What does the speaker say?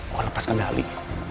gue lepaskan dali